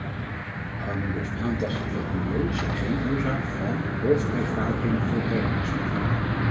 Armoede of aantasting van het milieu zijn geen oorzaak van of rechtvaardiging voor terrorisme.